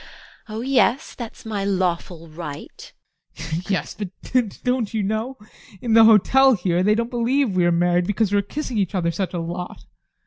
Oh yes, that's my lawful right. ADOLPH. Yes, but don't you know in the hotel here, they don't believe we are married, because we are kissing each other such a lot.